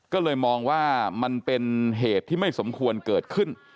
ก็เลยมองว่ามันเป็นเหตุที่ไม่สมควรเกิดขึ้น